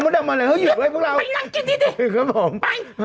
เด็กบอกมันเป็นอย่างนี้จริง